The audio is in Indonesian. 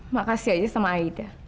makasih aja sama aida